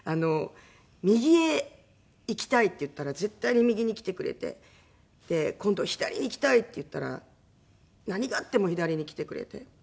「右へ行きたい」って言ったら絶対に右に来てくれてで今度「左に行きたい」って言ったら何があっても左に来てくれて。